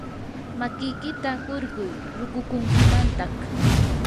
makikita qurquy ruqukuntimantaq.